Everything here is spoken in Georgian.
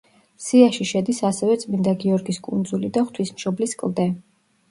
სიაში შედის ასევე წმინდა გიორგის კუნძული და ღვთისმშობლის კლდე.